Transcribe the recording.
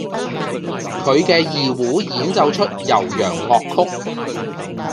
佢嘅二胡演奏出悠揚樂曲